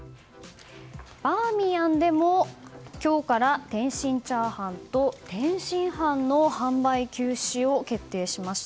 バーミヤンでも今日から天津チャーハンと天津飯の販売休止を決定しました。